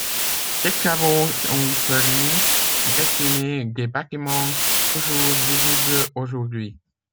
Ces travaux ont permis d'exhumer des bâtiments toujours visibles aujourd'hui.